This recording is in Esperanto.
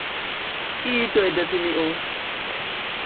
Idoj de simio!